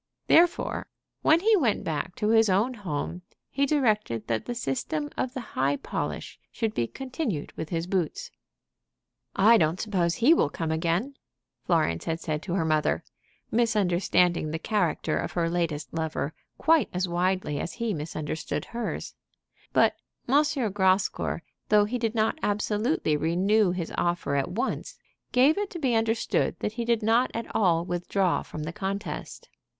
Therefore, when he went back to his own home he directed that the system of the high polish should be continued with his boots. "I don't suppose he will come again," Florence had said to her mother, misunderstanding the character of her latest lover quite as widely as he misunderstood hers. But M. Grascour, though he did not absolutely renew his offer at once, gave it to be understood that he did not at all withdraw from the contest.